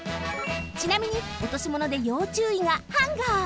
ちなみにおとしものでよう注意がハンガー。